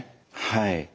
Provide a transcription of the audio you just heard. はい。